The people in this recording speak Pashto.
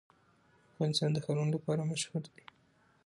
افغانستان د ښارونه لپاره مشهور دی.